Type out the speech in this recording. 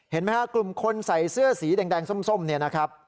เห็นไหมครับกลุ่มคนใส่เสื้อสีแดงส้มเนี่ยนะครับ